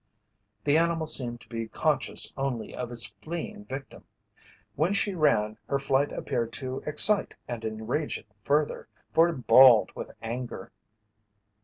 The animal seemed to be conscious only of its fleeing victim. When she ran, her flight appeared to excite and enrage it further, for it bawled with anger.